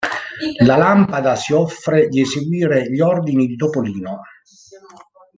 La lampada si offre di eseguire gli ordini di Topolino.